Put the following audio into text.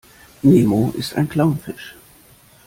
Nemo ist ein Clownfisch.